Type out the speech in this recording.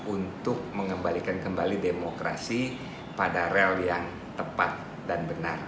untuk mengembalikan kembali demokrasi pada rel yang tepat dan benar